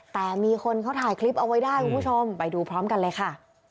แต่มีคนเขาถ่ายคลิปเอาไว้ได้คุณผู้ชมไปดูพร้อมกันเลยค่ะ